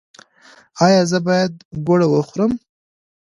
ایا زه باید ګوړه وخورم؟